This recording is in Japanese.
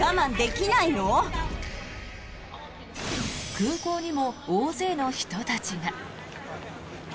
空港にも大勢の人たちが。